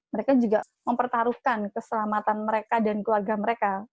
mereka juga mempertaruhkan keselamatan mereka dan keluarga mereka